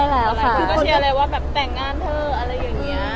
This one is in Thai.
คือก็เชียร์เลยว่าแต่งงานเถอะอะไรอย่างเงี้ย